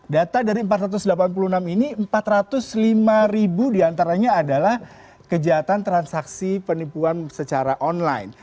data dari empat ratus delapan puluh enam ini empat ratus lima ribu diantaranya adalah kejahatan transaksi penipuan secara online